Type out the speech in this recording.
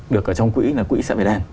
được ở trong quỹ là quỹ sẽ về đèn